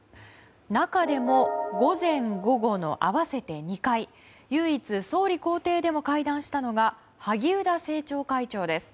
中でも、午前午後の合わせて２回唯一、総理公邸でも会談したのが萩生田政調会長です。